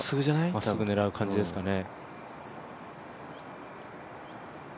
まっすぐ狙う感じですかね。